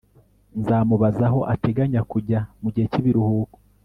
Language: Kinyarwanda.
nzamubaza aho ateganya kujya mugihe cyibiruhuko